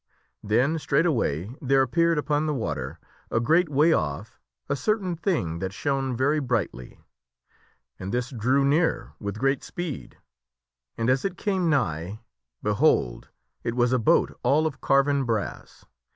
Then moneth a boat, straightway there appeared upon the water, a great way off, a certain thing that shone very brightly. And this drew near with great speed, and as it came nigh, behold ! it was a boat all of carven brass.